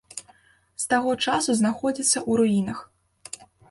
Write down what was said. З таго часу знаходзіцца ў руінах.